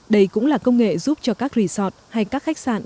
đây cũng là công nghệ giúp cho các resort hay các khách sạn